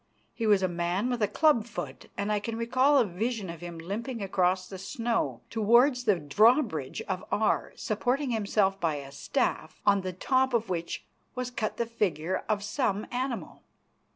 He was a man with a club foot, and I can recall a vision of him limping across the snow towards the drawbridge of Aar, supporting himself by a staff on the top of which was cut the figure of some animal.